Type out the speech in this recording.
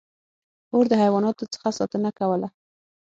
• اور د حیواناتو څخه ساتنه کوله.